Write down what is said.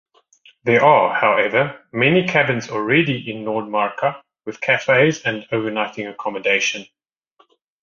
There are, however, many cabins already in Nordmarka with cafes and overnighting accommodation.